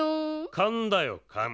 かんだよかん。